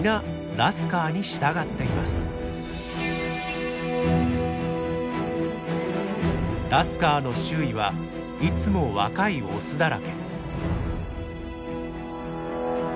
ラスカーの周囲はいつも若いオスだらけ。